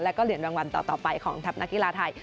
แล้วก็เหรียญรางวัลต่อไปของทัพนักกีฬาไทย